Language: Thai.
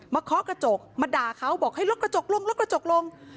เคาะกระจกมาด่าเขาบอกให้ลดกระจกลงลดกระจกลง